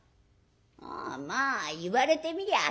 「ああまあ言われてみりゃあそうだな。